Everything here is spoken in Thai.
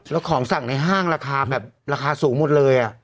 แล้วของสั่งในห้างราคาแบบราคาสูงหมดเลย